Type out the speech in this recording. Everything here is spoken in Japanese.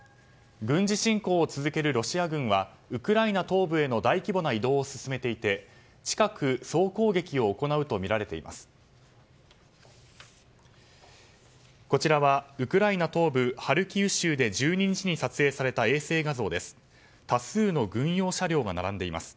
軍事侵攻を続けるロシア軍はウクライナ東部への大規模な移動を進めていて近く総攻撃を行うとみられています。